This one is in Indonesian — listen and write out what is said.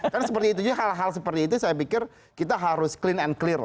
karena hal hal seperti itu saya pikir kita harus clean and clear lah